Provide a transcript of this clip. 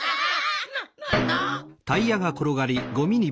ななんだ？